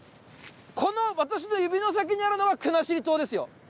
この私の指の先にあるのが国後島ですよ。